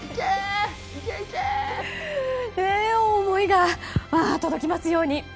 思いが届きますように！